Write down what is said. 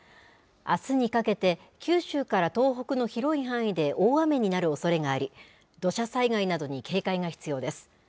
あすにかけて、九州から東北の広い範囲で大雨になるおそれがあり、土砂災害などに警戒が必要です。